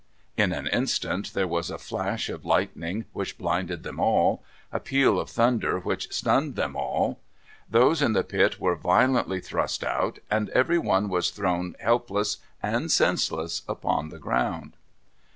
In an instant there was a flash of lightning which blinded them all; a peal of thunder which stunned them all. Those in the pit were violently thrust out, and every one was thrown helpless and senseless upon the ground.